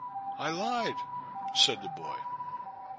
'*Ilied," said the boy.